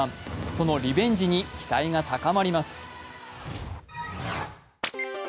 そのリベンジに期待が高まります。